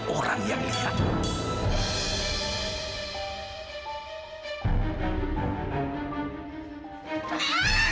ibu jangan banyak alasan